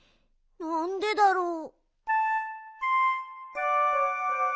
なんでだろう？